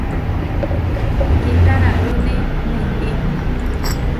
Kitararúne muuní.